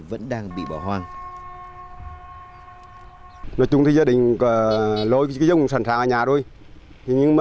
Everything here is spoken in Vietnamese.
vẫn đang bị bỏ hoang